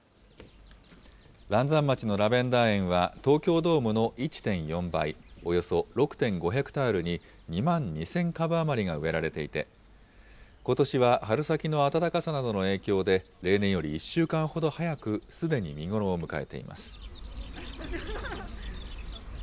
嵐山町のラベンダー園は、東京ドームの１．４倍、およそ６．５ヘクタールに、２万２０００株余りが植えられていて、ことしは春先の暖かさなどの影響で、例年より１週間ほど早く、すでに見頃を迎えています。